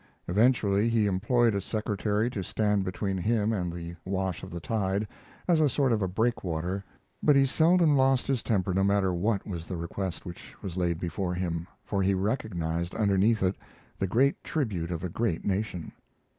Eventually he employed a secretary to stand between him and the wash of the tide, as a sort of breakwater; but he seldom lost his temper no matter what was the request which was laid before him, for he recognized underneath it the great tribute of a great nation.